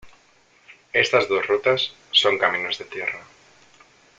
Estas dos rutas, son caminos de tierra.